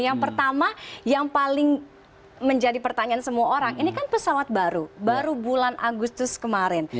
yang pertama yang paling menjadi pertanyaan semua orang ini kan pesawat baru baru bulan agustus kemarin